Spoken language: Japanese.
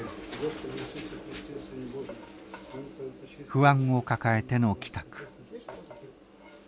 不安を抱えての帰宅。